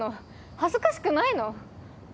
恥ずかしくないの？